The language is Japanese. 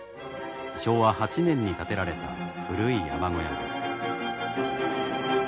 昭和８年に建てられた古い山小屋です。